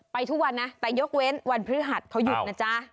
ทุกวันนะแต่ยกเว้นวันพฤหัสเขาหยุดนะจ๊ะ